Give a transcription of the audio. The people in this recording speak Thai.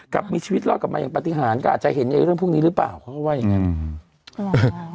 กับมีชีวิตรอดกลับมาอย่างปฏิหารก็อาจจะเห็นเรื่องพวกนี้หรือเปล่าเขาก็ว่าอย่างงั้น